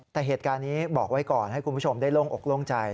แต่เหตุการณ์นี้บอกไว้ก่อนให้คุณผู้ชมได้โล่งอกโล่งใจ